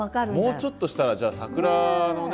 もうちょっとしたらじゃあ桜のね